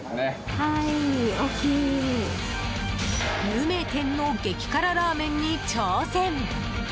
有名店の激辛ラーメンに挑戦。